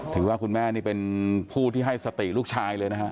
ถือว่าคุณแม่นี่เป็นผู้ที่ให้สติลูกชายเลยนะครับ